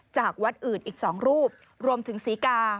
จากวัดอื่นอีก๒รูปรวมถึงศรีกา